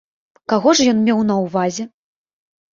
Каго ж ён меў на ўвазе?